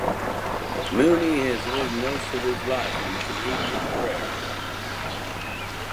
Mooney has lived most of his life on the Canadian prairies.